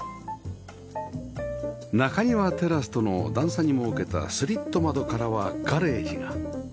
中庭テラスとの段差に設けたスリット窓からはガレージが